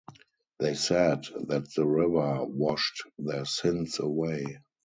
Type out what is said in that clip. They said that the river washed their sins away.